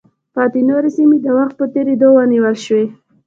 پاتې نورې سیمې د وخت په تېرېدو ونیول شوې.